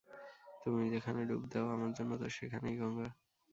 তুমি যেখানে ডুব দেও, আমার জন্য তো সেখানেই গঙ্গা।